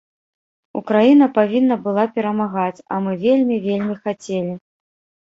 Украіна павінна была перамагаць,а мы вельмі вельмі хацелі.